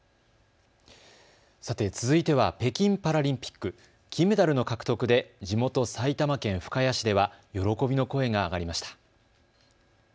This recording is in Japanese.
さて続いては北京パラリンピック、金メダルの獲得で地元、埼玉県深谷市では喜びの声が上がりました。